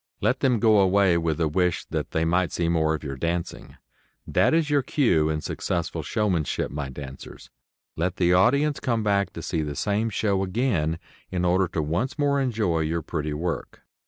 Let them go away with a wish that they might see more of your dancing. That is your cue in successful showmanship, my dancers. Let the audience come back to see the same show again in order to once more enjoy your pretty work.